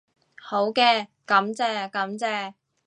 好嘅，感謝感謝